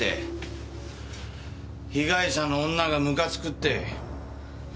被害者の女がムカつくって。